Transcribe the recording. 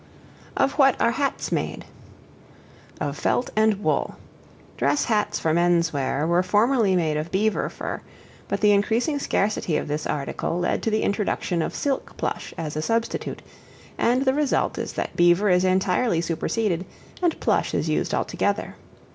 Of what are Hats made? Of felt and wool. Dress hats for men's wear, were formerly made of beaver fur, but the increasing scarcity of this article led to the introduction of silk plush as a substitute, and the result is that beaver is entirely superseded, and plush is used altogether.